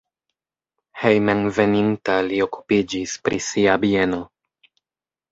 Hejmenveninta li okupiĝis pri sia bieno.